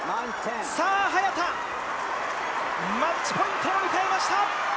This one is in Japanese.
さあ早田、マッチポイントを迎えました！